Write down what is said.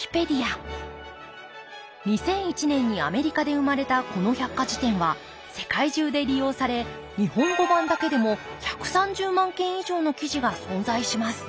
２００１年にアメリカで生まれたこの百科事典は世界中で利用され日本語版だけでも１３０万件以上の記事が存在します